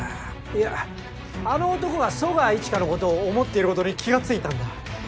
いやあの男が十川一華のことを思っていることに気が付いたんだ。